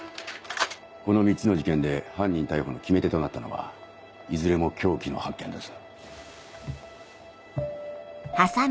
この３つの事件で犯人逮捕の決め手となったのはいずれも凶器の発見です。